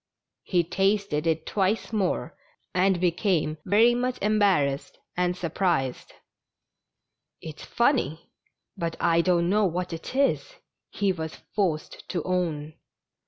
He tasted it twice more, and became very much embarrassed and surprised. " It's funny, but I don't know what it is," he was forced to own.